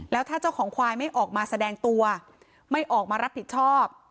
แล้วถ้าเจ้าของควายไม่ออกมาแสดงตัวไม่ออกมารับผิดชอบ